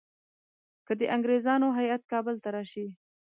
که د انګریزانو هیات کابل ته راشي.